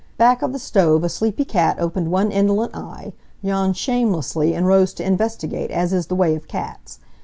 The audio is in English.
Back of the stove a sleepy cat opened one indolent eye, yawned shamelessly, and rose to investigate, as is the way of cats.